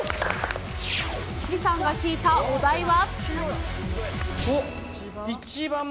岸さんが引いたお題は？